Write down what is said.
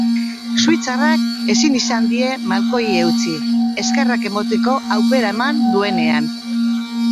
Suitzarrak ezin izan die malkoei eutsi eskerrak emateko aukera eman duenean.